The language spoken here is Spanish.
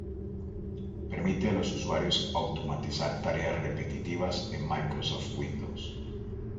Permite a los usuarios automatizar tareas repetitivas en Microsoft Windows.